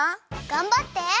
がんばって！